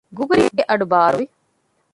ގުގުރީގެ އަޑުބާރުވި